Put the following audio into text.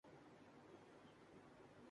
یار نے کیسی رہائی دی ہے